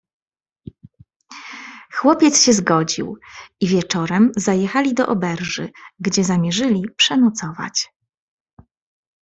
"Chłopiec się zgodził i wieczorem zajechali do oberży, gdzie zamierzyli przenocować."